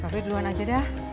bapak bo duluan aja dah